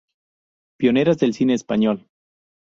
Pioneras del cine español.